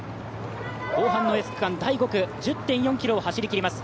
後半のエース区間第５区、１０．４ｋｍを走りきります。